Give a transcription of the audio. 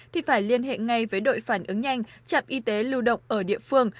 thì phải liên hệ ngay với đội phản ứng nhanh trạm y tế lưu động ở địa phương